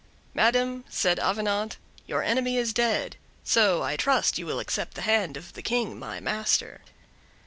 "Madam," said Avenant, "your enemy is dead; so I trust you will accept the hand of the King my master."